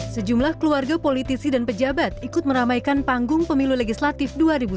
sejumlah keluarga politisi dan pejabat ikut meramaikan panggung pemilu legislatif dua ribu sembilan belas